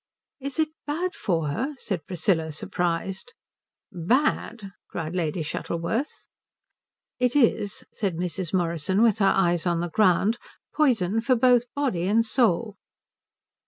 "Is it bad for her?" said Priscilla, surprised. "Bad!" cried Lady Shuttleworth. "It is," said Mrs. Morrison with her eyes on the ground, "poison for both body and soul."